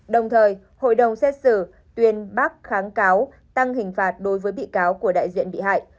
đồng thời hội đồng xét xử tuyên bác kháng cáo tăng hình phạt đối với bị cáo của đại diện bị hại